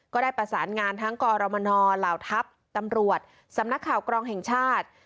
ก็ได้ประสานงานทั้งกรมนเหล่าทัพตำรวจสำนักข่าวกรองแห่งชาติ